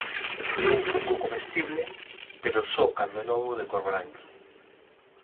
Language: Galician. É un fungo comestible pero só cando é novo e de cor branca.